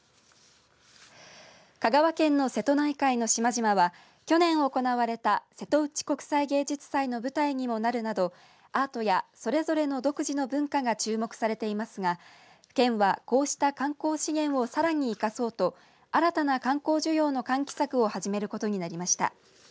香川県の瀬戸内海の島々は去年行われた瀬戸内国際芸術祭の舞台にもなるなどアートやそれぞれの独自の文化が注目されていますが県はこうした観光資源をさらに生かそうと新たな観光需要の喚起策を始めることになりました。